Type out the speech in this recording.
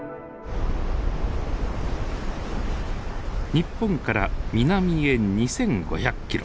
日本から南へ２，５００ｋｍ。